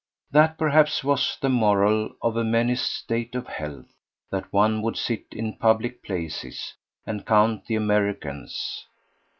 That perhaps was the moral of a menaced state of health that one would sit in public places and count the Americans.